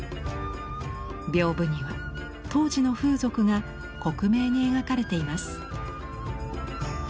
屏風には当時の風俗が克明に描かれています。